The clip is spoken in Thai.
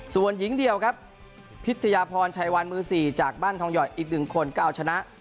ส่วนหญิงเดี่ยวครับพิชยาพรชัยวันมือ๔จากบ้านทองหย่อยอีก๑คนก็เอาชนะ